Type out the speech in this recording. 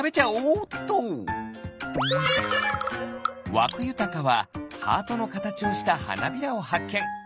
わくゆたかはハートのかたちをしたはなびらをはっけん。